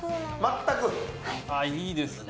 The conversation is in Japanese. あっいいですね。